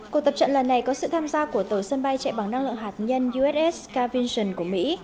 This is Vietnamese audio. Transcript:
cuộc tập trận lần này có sự tham gia của tàu sân bay chạy bằng năng lượng hạt nhân uss scarvision của mỹ